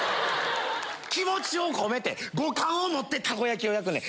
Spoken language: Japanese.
気持ちを込めて五感を持ってたこ焼きを焼くねん。